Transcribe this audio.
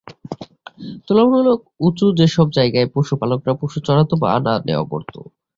তূলনামূলক উঁচু সেসব জায়গায় পশুপালকরা পশু চড়াতো বা আনা নেয়া করত।